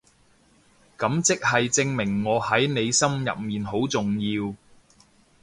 噉即係證明我喺你心入面好重要